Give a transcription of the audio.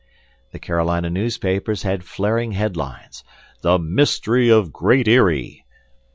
The Carolina newspapers had flaring headlines, "The Mystery of Great Eyrie!"